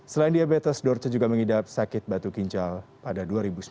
selain diabetes dorce juga mengidap sakit batu ginjal pada dua ribu sembilan belas